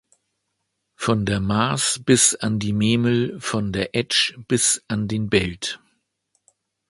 Von der Maas bis an die Memel, von der Etsch bis an den Belt: